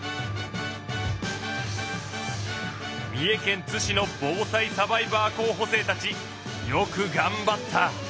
三重県津市の防災サバイバー候補生たちよくがんばった！